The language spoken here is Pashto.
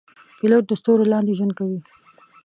پیلوټ د ستورو لاندې ژوند کوي.